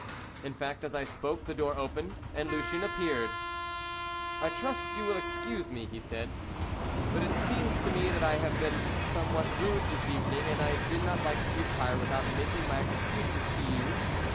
In fact, as I spoke the door opened, and Lucien appeared. "I trust you will excuse me," he said; "but it seems to me that I have been somewhat rude this evening, and I did not like to retire without making my excuses to you.